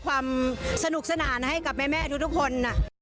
ความสนุกสนานให้กับแม่ทุกคน